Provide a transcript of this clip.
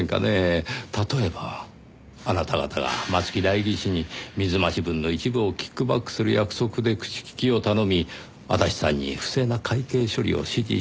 例えばあなた方が松木代議士に水増し分の一部をキックバックする約束で口利きを頼み足立さんに不正な会計処理を指示したとか。